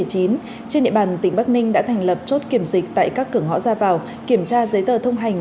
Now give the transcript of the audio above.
trên địa bàn tỉnh bắc ninh đã thành lập chốt kiểm dịch tại các cửa ngõ ra vào kiểm tra giấy tờ thông hành